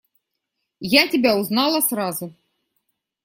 Я тебя узнала сразу.